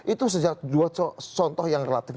itu dua contoh yang relatif